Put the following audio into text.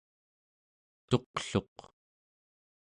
tuqluq